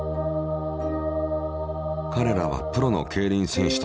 かれらはプロの競輪選手たち。